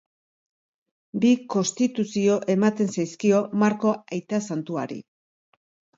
Bi konstituzio ematen zaizkio Marko aita santuari.